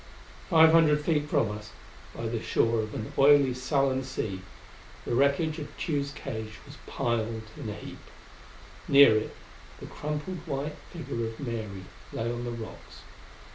Five hundred feet from us, by the shore of an oily, sullen sea, the wreckage of Tugh's cage was piled in a heap. Near it, the crumpled white figure of Mary lay on the rocks.